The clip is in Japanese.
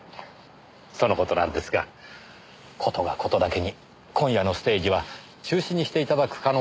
その事なんですが事が事だけに今夜のステージは中止にして頂く可能性もあるかと。